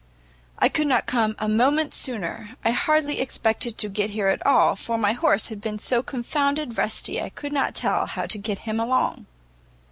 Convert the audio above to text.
"I could not come a moment sooner; I hardly expected to get here at all, for my horse has been so confounded resty I could not tell how to get him along."